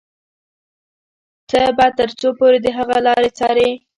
ته به تر څو پورې د هغه لارې څاري.